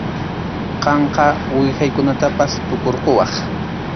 Qamqa uwihaykunatapas tukurquwaq.